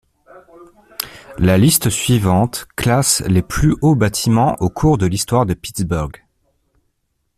La liste suivante classent les plus hauts bâtiments au cours de l'histoire de Pittsburgh.